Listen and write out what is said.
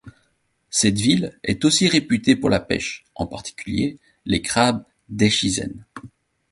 Cette ville est aussi réputée pour la pêche, en particulier les crabes d'Echizen.